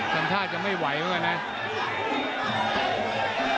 สัมภาษณ์จะไม่ไหวแล้วกันนะ